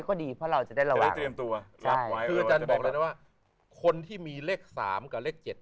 คืออาจารย์บอกเลยนะว่าคนที่มีเลข๓กับเลข๗